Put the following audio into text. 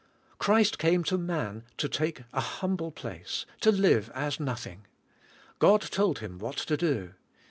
Christ came to man to take a humble place — to live as nothing. God told Him what to do.